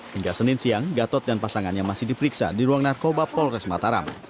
hingga senin siang gatot dan pasangannya masih diperiksa di ruang narkoba polres mataram